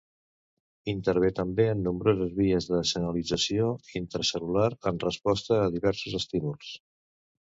Intervé també en nombroses vies de senyalització intracel·lular en resposta a diversos estímuls.